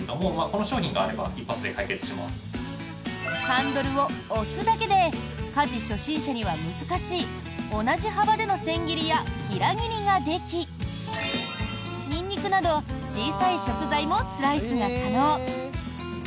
ハンドルを押すだけで家事初心者には難しい同じ幅での千切りや平切りができニンニクなど小さい食材もスライスが可能。